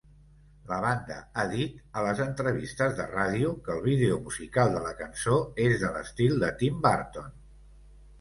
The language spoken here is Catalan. La banda ha dit a les entrevistes de ràdio que el vídeo musical de la cançó és de l'estil de Tim Burton.